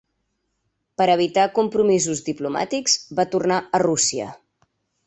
Per evitar compromisos diplomàtics, va tornar a Rússia.